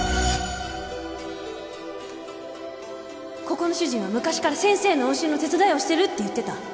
ここの主人は昔から先生の往診の手伝いをしてるって言ってた